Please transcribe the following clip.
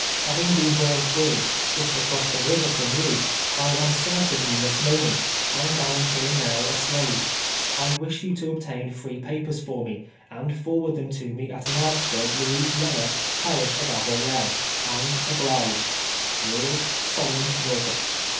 " Having been born free, just across the river from you, I am certain you must know me, and I am here now a slave. I wish you to obtain free papers for me, and forward them to me at Marksville, Louisiana, Parish of Avoyelles, and oblige " Yours, SOLOMON NORTIIUP.